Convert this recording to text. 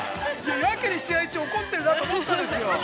やけに試合中、怒ってるなと思ったんですよ。